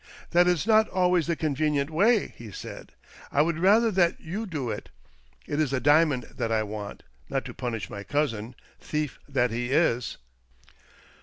" That is not always the con venient way," he said. " I would rather that you do it. It is the diamond that I want — not to punish my cousin — thief that he is